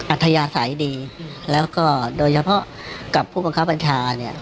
อัธยาศัยดีแล้วก็โดยเฉพาะกับผู้บังคับบัญชาเนี่ย